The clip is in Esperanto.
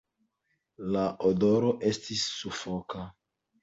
La odoro estis sufoka.